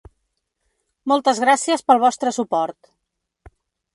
Moltes gràcies pel vostre suport.